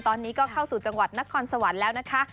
ตอนนี้ก็เข้าสู่จังหวัดนครสวรรค์แล้วนะคะ